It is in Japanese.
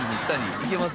いけます？